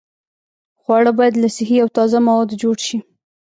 خواړه باید له صحي او تازه موادو جوړ شي.